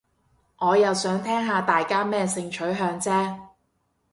我又想聽下大家咩性取向啫